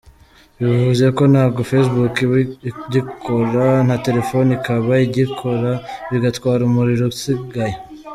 Bivuze ko nabwo Facebook iba igikora na telefone ikaba igikora bigatwara umuriro usigaye.